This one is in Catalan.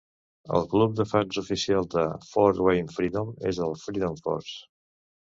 El club de fans oficial de Fort Wayne Freedom és el "Freedom Force".